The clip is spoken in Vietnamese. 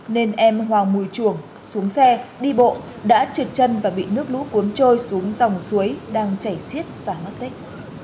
nên em hoàng mùi chuồng xuống xe đi bộ đã trượt chân và bị nước lũ cuốn trôi xuống dòng suối đang chảy xiết và mất tích